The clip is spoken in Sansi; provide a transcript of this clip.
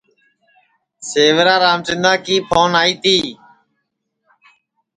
سیورا رامچندا کی پھون آئی تی